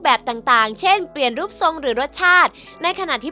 แบบต่างต่างเช่นเปลี่ยนรูปทรงหรือรสชาติในขณะที่